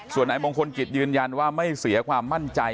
ส่วนนายมงคลกิจยืนยันว่าไม่เสียความมั่นใจ